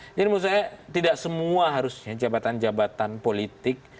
jadi menurut saya tidak semua harusnya jabatan jabatan politik